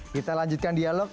kita lanjutkan dialog